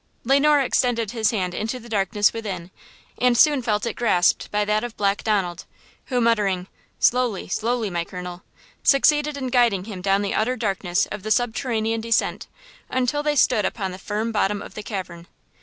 Le Noir extended his hand into the darkness within and soon felt it grasped by that of Black Donald, who, muttering: "Slowly, slowly, my colonel!" succeeded in guiding him down the utter darkness of the subterranean descent until they stood upon the firm bottom of the cavern.